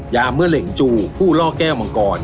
ยาเมื่อเหล่งจูผู้ล่อแก้วมังกร